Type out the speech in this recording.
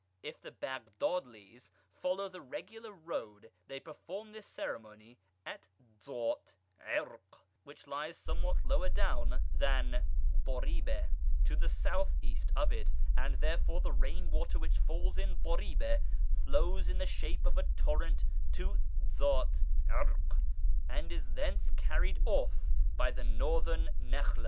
If the Baghdadlies follow the regular road they perform this ceremony at Dzat Irq, which lies somewhat lower down than Dhariba, to the South east of it, and therefore the rain water which falls in Dhariba flows in the shape of a torrent to Dzat Irq, and is thence carried off by the Northern Nakhla.